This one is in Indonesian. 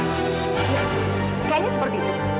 iya kayaknya seperti itu